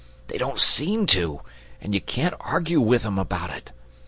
They don't seem to, and you can't argue with 'em about it.